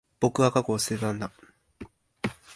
僕は、過去を捨てたんだ。